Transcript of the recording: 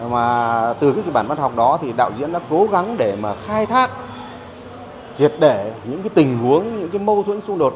mà từ cái kịch bản văn học đó thì đạo diễn đã cố gắng để mà khai thác triệt để những tình huống những cái mâu thuẫn xung đột